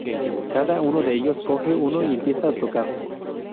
Cada uno de ellos coge uno y empieza a tocar.